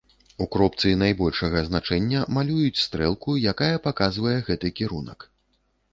У кропцы найбольшага значэння малююць стрэлку, якая паказвае гэты кірунак.